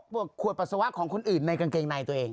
วกขวดปัสสาวะของคนอื่นในกางเกงในตัวเอง